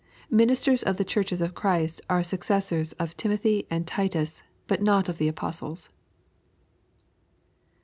Ministers of fiie churches of Christ are successors of Timothy and Titus, but not of the apostles.